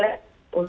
tetap empat tahun